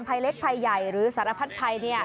ภัยเล็กภัยใหญ่หรือศาลพัดภัยนี่